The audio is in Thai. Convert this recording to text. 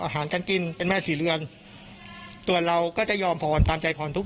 หวังอาจจะมีการแข่งจุดไม่ให้ถูก